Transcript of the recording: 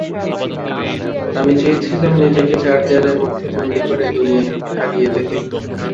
আমি চেয়েছিলাম নিজেকে চার দেয়ালের মধ্যে বন্দী করে দুনিয়া থেকে হারিয়ে যেতে।